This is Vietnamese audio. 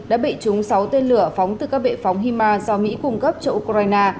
đã bị trúng sáu tên lửa phóng từ các bệ phóng hima do mỹ cung cấp cho ukraine